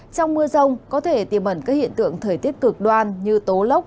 trong mưa rông có thể tiềm ẩn các hiện tượng thời tiết cực đoan như tố lốc